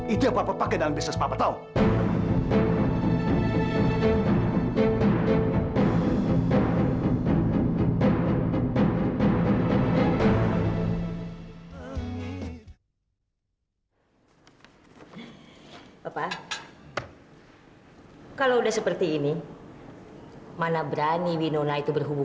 ide apa apa pakai dalam bisnis pak beto